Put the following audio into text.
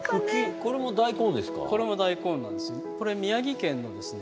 これも大根なんですね。